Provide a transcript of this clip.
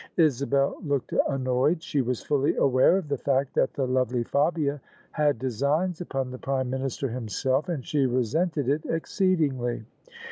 Isabel looked annoyed. She was fully aware of the fact that the lovely Fabia had designs upon the Prime Minister himself, and she resented it exceedingly.